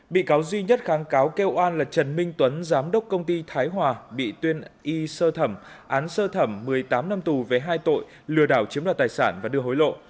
bị cáo duy nhất kháng cáo kêu oan là trần minh tuấn giám đốc công ty thái hòa bị tuyên y sơ thẩm án sơ thẩm một mươi tám năm tù về hai tội lừa đảo chiếm đoạt tài sản và đưa hối lộ